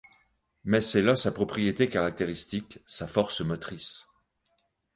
Mais c’est là sa propriété caractéristique, sa force motrice.